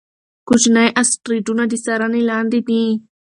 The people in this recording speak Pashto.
کوچني اسټروېډونه د څارنې لاندې دي.